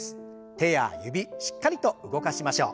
手や指しっかりと動かしましょう。